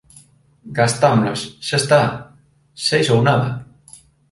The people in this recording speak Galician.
Gastámolas. Xa está. Seis ou nada.